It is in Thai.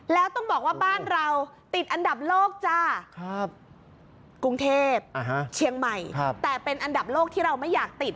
แล้วต้องบอกว่าบ้านเราติดอันดับโลกจ้ากรุงเทพเชียงใหม่แต่เป็นอันดับโลกที่เราไม่อยากติด